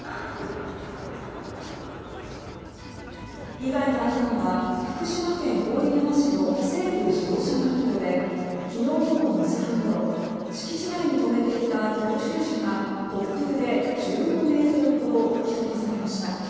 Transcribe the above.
被害があったのは福島県郡山市の西部自動車学校で昨日午後２時半ごろ敷地内に止めていた教習車が突風で１５ｍほど吹き飛ばされました。